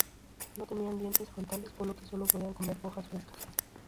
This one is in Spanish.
No tenían dientes frontales, por lo que sólo podían comer hojas frescas.